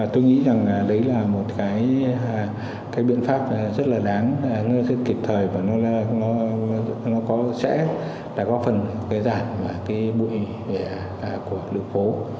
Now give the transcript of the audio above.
tôi nghĩ là đấy là một cái biện pháp rất là đáng rất kịp thời và nó sẽ có phần giảm bụi của lựa khói